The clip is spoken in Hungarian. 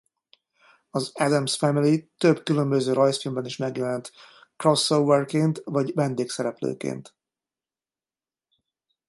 Az Addams Family több különböző rajzfilmben is megjelent crossoverként vagy vendégszereplőkként.